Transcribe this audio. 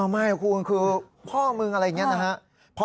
ไม่คุณคือพ่อมึงอะไรอย่างนี้นะครับ